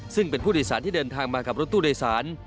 ซึ่งเป็นผู้โดยสารที่เดินทางมากับรถตู้โดยสาร